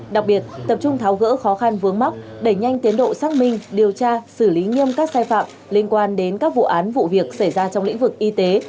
đặc biệt tập trung tháo gỡ khó khăn vướng mắc đẩy nhanh tiến độ xác minh điều tra xử lý nghiêm các sai phạm liên quan đến các vụ án vụ việc xảy ra trong lĩnh vực y tế